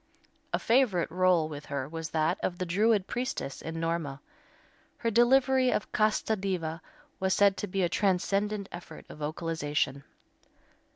A favorite rôle with her was that of the Druid priestess in "Norma." Her delivery of "Casta Diva" was said to be a transcendant effort of vocalization.